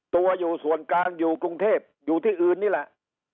ตัวอยู่ส่วนกลางอยู่กรุงเทพอยู่ที่อื่นนี่แหละ